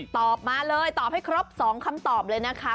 ตอบมาเลยตอบให้ครบ๒คำตอบเลยนะคะ